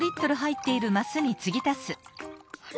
あれ？